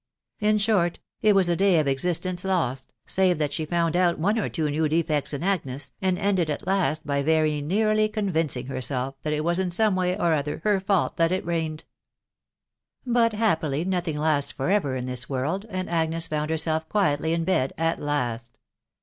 In short, it was a day of existence lost, save that she found out one or two new defects in Agnes, and ended at last by very nearly convincing herself that it was in some way or other her fault that it rained. But happily nothing lasts for ever in this world, and Agnes found herself quietly in bed at last.